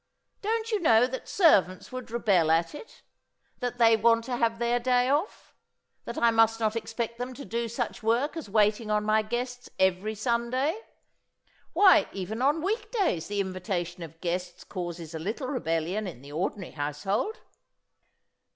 Don't you know that servants would rebel at it? That they want to have their day off? That I must not expect them to do such work as waiting on my guests every Sunday? Why even on week days the invitation of guests causes a little rebellion in the ordinary household!"